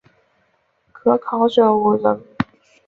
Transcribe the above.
可考者五人。